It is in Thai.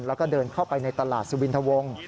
แล้วก็เดินเข้าไปในตลาดสุวินทะวง